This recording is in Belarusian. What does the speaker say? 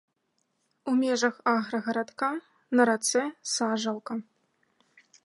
У межах аграгарадка на рацэ сажалка.